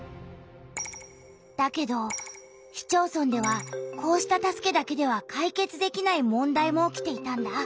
だけど市町村ではこうした助けだけでは解決できない問題も起きていたんだ。